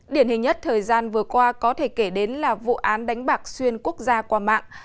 điển hình nhất thời gian vừa qua có thể kể đến là vụ án đánh bạc xuyên quốc gia qua mạng